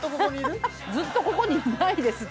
ずっとここにいないですって。